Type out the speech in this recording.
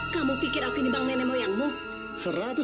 kamu pikir aku ini bang nenek moyangmu